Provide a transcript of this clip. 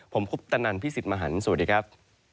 ผมคุปตนันพี่สิทธิ์มหันฯสวัสดีครับ